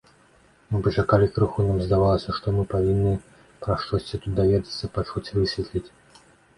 Мы пачакалі крыху, нам здавалася, што мы павінны пра штосьці тут даведацца, пачуць, высветліць.